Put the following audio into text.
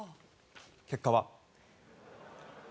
結果は。